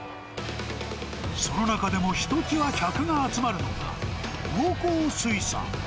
その中でもひときわ客が集まるのが、魚幸水産。